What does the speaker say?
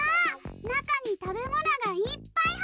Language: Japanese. なかにたべものがいっぱいはいってる！